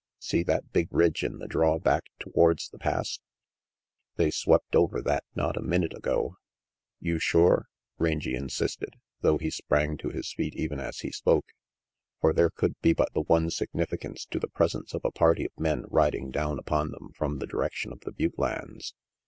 See that big ridge in the draw back towards the Pass? They swept over that not a minute ago " "You sure?" Rangy insisted, though he sprang to his feet even as he spoke. For there could be but the one significance to the presence of a party of men riding down upon them from the direction of the butte lands.